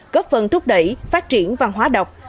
cấp phần thúc đẩy phát triển văn hóa đọc